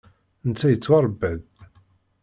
Netta yettwaṛebba-d.